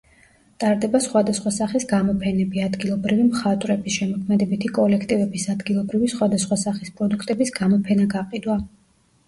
ტარდება სხავადასხვა სახის გამოფენები, ადგილობრივი მხატვრების, შემოქმედებითი კოლექტივების, ადგილობრივი სხვადასხვა სახის პროდუქტების გამოფენა-გაყიდვა.